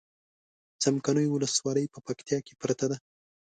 څمکنيو ولسوالي په پکتيا کې پرته ده